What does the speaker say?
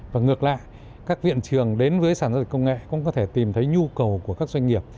và ngược lại các viện trường đến với sản giao dịch công nghệ cũng có thể tìm thấy nhu cầu của các doanh nghiệp